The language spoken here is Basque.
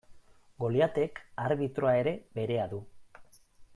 Goliatek arbitroa ere berea du.